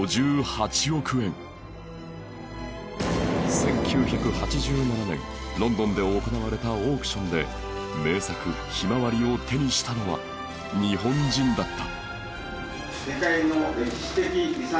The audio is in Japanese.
１９８７年ロンドンで行われたオークションで名作「ひまわり」を手にしたのは日本人だった